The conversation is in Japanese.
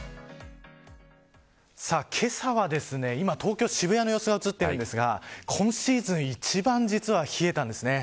けさは、今東京・渋谷の様子が映ってるんですか今シーズン１番実は冷えたんですね。